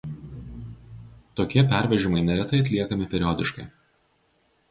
Tokie pervežimai neretai atliekami periodiškai.